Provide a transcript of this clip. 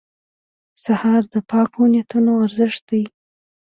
سهار د پاکو نیتونو ارزښت دی.